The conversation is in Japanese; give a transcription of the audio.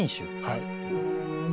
はい。